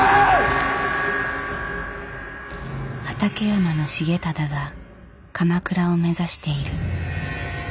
畠山重忠が鎌倉を目指している。